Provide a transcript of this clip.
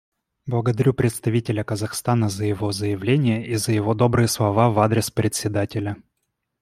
Благодарю представителя Казахстана за его заявление и за его добрые слова в адрес Председателя.